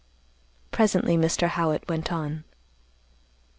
Presently Mr. Howitt went on.